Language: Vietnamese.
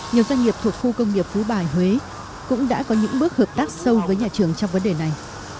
nhiều doanh nghiệp thuộc khu công nghiệp phú bài huế cũng đã có những bước hợp tác sâu với nhà trường trong vấn đề này